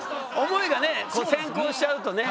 思いがね先行しちゃうとね。